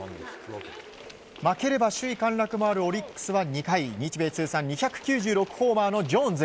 負ければ首位陥落もあるオリックスは２回日米通算２９６ホーマーのジョーンズ。